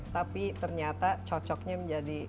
tapi ternyata cocoknya menjadi